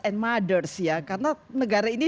and mothers ya karena negara ini